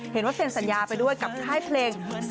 เห็นว่าเซ็นสัญญาไปด้วยกับค่ายเพลง